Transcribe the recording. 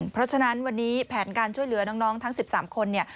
เพราะฉะนั้นวันนี้แผนการช่วยเหลือน้องทั้ง๑๓คนเนี่ย